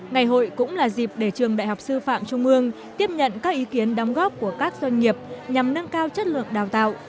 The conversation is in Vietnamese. ngày hội cũng là dịp để trường đại học sư phạm trung ương tiếp nhận các ý kiến đóng góp của các doanh nghiệp nhằm nâng cao chất lượng đào tạo